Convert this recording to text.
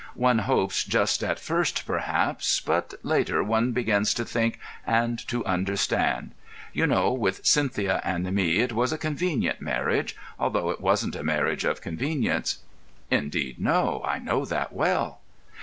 One hopes just at first, perhaps—but later one begins to think and to understand. You know, with Cynthia and me, it was a convenient marriage—although it wasn't a marriage of convenience." "Indeed, no—I know that well."